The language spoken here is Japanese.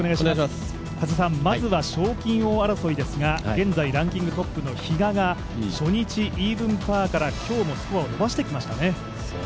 加瀬さん、まずは賞金王争いですが、現在ランキングトップの比嘉が初日イーブンパーから今日もスコアを伸ばしてきましたね。